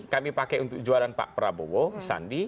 kami pakai untuk jualan pak prabowo sandi